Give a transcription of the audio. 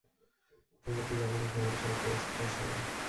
তোমরা কি যাবে নাকি আমার সাথে স্টেশনে?